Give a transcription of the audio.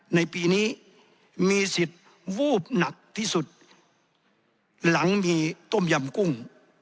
ในปีนี้มีสิทธิ์วูบหนักที่สุดหลังมีต้มยำกุ้ง